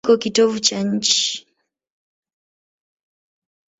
Iko kitovu cha nchi.